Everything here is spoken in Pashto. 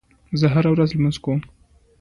زه هره ورځ لمونځ کوم.